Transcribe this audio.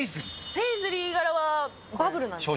ペイズリー柄はバブルなんですか？